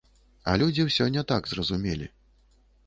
А людзі ўсё не так зразумелі.